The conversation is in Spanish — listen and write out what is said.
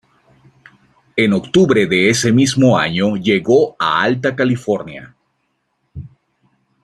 En octubre de ese mismo año llegó a Alta California.